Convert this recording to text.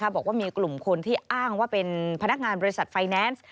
บอกว่ามีกลุ่มคนที่อ้างว่าเป็นพนักงานบริษัทไฟแนนซ์